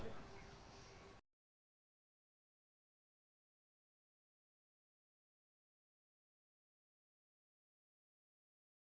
terima kasih pak adip